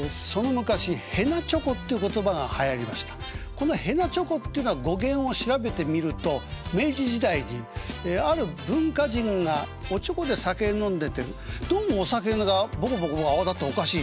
この「へなちょこ」ってのは語源を調べてみると明治時代にある文化人がおちょこで酒飲んでてどうもお酒がボコボコ泡立っておかしい。